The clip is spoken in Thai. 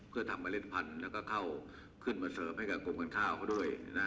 เพื่อทำเมล็ดพันธุ์แล้วก็เข้าขึ้นมาเสริมให้กับกรมการข้าวเขาด้วยนะ